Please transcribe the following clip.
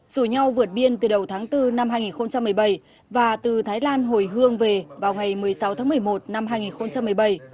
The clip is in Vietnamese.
rủ nhau vượt biên từ đầu tháng bốn năm hai nghìn một mươi bảy và từ thái lan hồi hương về vào ngày một mươi sáu tháng một mươi một năm hai nghìn một mươi bảy